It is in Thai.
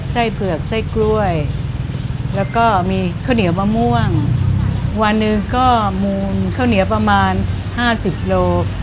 เผือกไส้กล้วยแล้วก็มีข้าวเหนียวมะม่วงวันหนึ่งก็มูลข้าวเหนียวประมาณห้าสิบโล